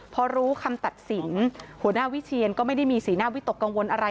พอรู้คำตัดสินหัวหน้าวิเชียนก็ไม่ได้มีสีหน้าวิตกกังวลอะไร